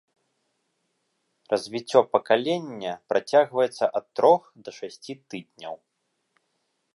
Развіццё пакалення працягваецца ад трох да шасці тыдняў.